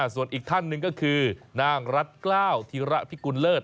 ส่วนอีกท่านหนึ่งก็คือนางรัฐกล้าวธิระพิกุลเลิศ